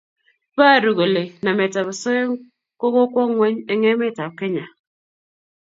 paru kole namet ab asoya ko kokwo ngweny eng emet ab kenya